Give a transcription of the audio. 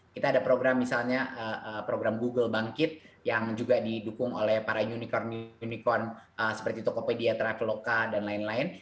kita ada program misalnya program google bangkit yang juga didukung oleh para unicorn unicorn seperti tokopedia traveloka dan lain lain